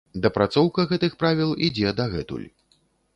Дапрацоўка гэтых правіл ідзе дагэтуль.